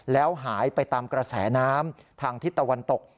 แล้วหายไปตามกระแสน้ำทางทิศตะวันตก